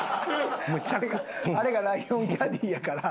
あれがライオンキャディーやから。